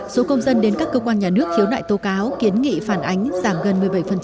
số công dân đến các cơ quan nhà nước khiếu nại tố cáo kiến nghị phản ánh giảm gần một mươi bảy